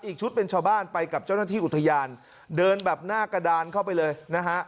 อีกชุดเป็นชาวบ้านไปกับเจ้าหน้าที่อุทยานเดินแบบหน้ากระดานเข้าไปเลยนะฮะ